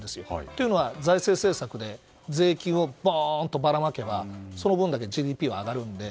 というのは、財政政策で税金をボーンとばらまけばその分だけＧＤＰは上がるので。